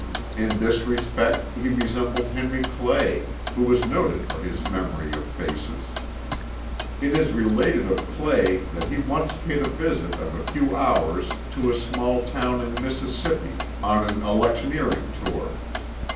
In this respect he resembled Henry Clay, who was noted for his memory of faces. It is related of Clay that he once paid a visit of a few hours to a small town in Mississippi, on an electioneering tour.